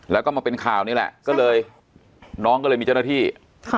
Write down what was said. แล้วก็มาเป็นข่าวนี่แหละก็เลยน้องก็เลยมีเจ้าหน้าที่ค่ะ